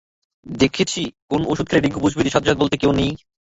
দেখেছি-- কোন ওষুধ খেলে রিংকু বুঝবে যে সাজ্জাদ বলতে কেউ নেই?